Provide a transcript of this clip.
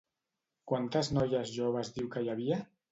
Quantes noies joves diu que hi havia?